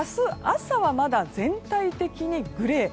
朝は、まだ全体的にグレー。